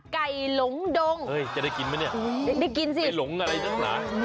ไก่หลงดงจะได้กินมั้ยเนี่ยได้กินสิไม่หลงอะไรจักรหนา